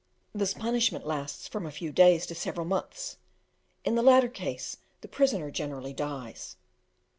This punishment lasts from a few days to several months; in the latter case the prisoner generally dies.